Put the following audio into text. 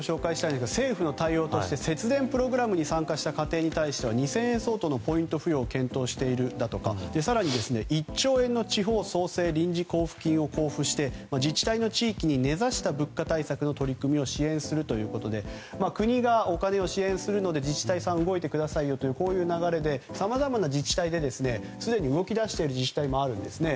政府の対応として節電プログラムに参加した家庭については２０００円相当のポイント付与を検討しているとか更に１兆円の地方創生臨時交付金を交付して、自治体の地域に根差した物価対策の取り組みを支援するということで国がお金を支援するので自治体さん、動いてくださいよという流れですでに動き出している自治体もあるんですね。